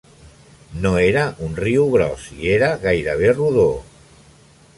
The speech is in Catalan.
No era un riu gros i era gairebé rodó.